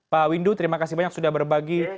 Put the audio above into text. pak windu terima kasih banyak sudah berbagi